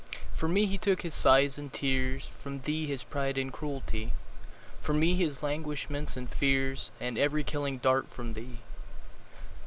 From me he took his sighs and tears, From thee his pride and cruelty; 10 From me his languishments and fears, And every killing dart from thee.